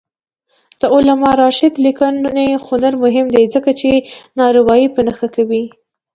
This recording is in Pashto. د علامه رشاد لیکنی هنر مهم دی ځکه چې ناروايي په نښه کوي.